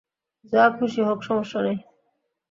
যা খুশি হোক, সমস্যা নেই।